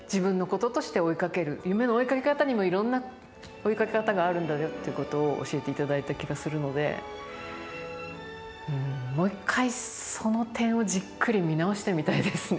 夢の追いかけ方にもいろんな追いかけ方があるんだよっていうことを教えていただいた気がするのでうんもう一回その点をじっくり見直してみたいですね